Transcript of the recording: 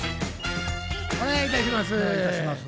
お願いいたします。